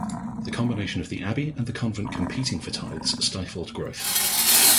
The combination of the Abbey and the Convent competing for tithes stifled growth.